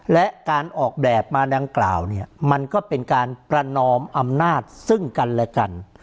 และการออกแบบมาดังกล่าวเนี่ยมันก็เป็นการประนอมอำนาจซึ่งกันและกัน